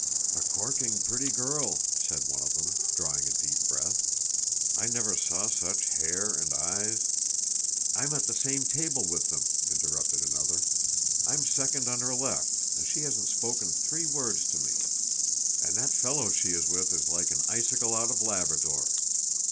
"A corking pretty girl," said one of them, drawing a deep breath. "I never saw such hair and eyes—" "I'm at the same table with them," interrupted another. "I'm second on her left, and she hasn't spoken three words to me. And that fellow she is with is like an icicle out of Labrador."